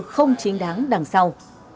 không chính đáng đằng sau